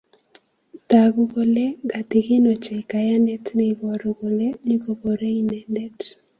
Taguu kole ngatigin ochei kayanet neiboru kole nyikoboore inendet